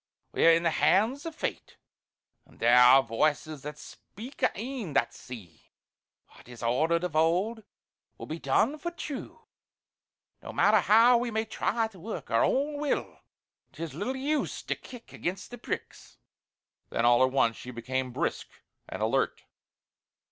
We're in the hands o' Fate! An' there are Voices that speak an' Een that see. What is ordered of old will be done for true; no matter how we may try to work our own will. 'Tis little use to kick against the pricks." Then all at once she became brisk and alert.